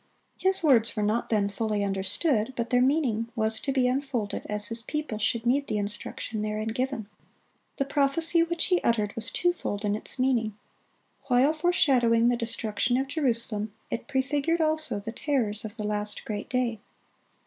His words were not then fully understood; but their meaning was to be unfolded as His people should need the instruction therein given. The prophecy which He uttered was twofold in its meaning: while foreshadowing the destruction of Jerusalem, it prefigured also the terrors of the last great day.